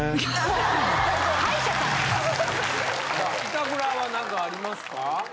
板倉はなんかありますか？